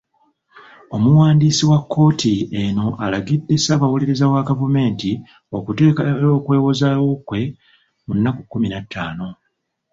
Omuwandiisi wa kkooti eno alagidde Ssaabawolereza wa gavumenti okuteekayo okwewozaako kwe mu nnaku kkumi na ttaano.